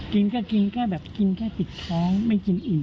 กินก็กินแค่แบบกินแค่ติดท้องไม่กินอิ่ม